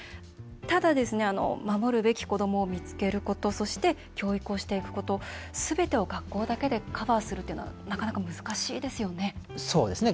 ただ、守るべき子どもを見つけることそして、教育をしていくことすべてを学校だけでカバーするというのはなかなか難しいですよね。